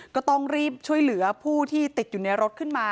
ก็ต้องรีบช่วยเหลือผู้ที่ติดอยู่ในรถขึ้นมา